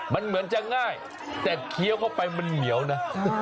มันเหมือนจะง่ายแต่เคี้ยวเข้าไปมันเหนียวนะ